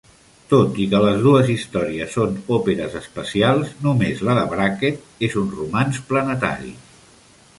Tot i que les dues històries són òperes espacials, només la de Brackett és un romanç planetari.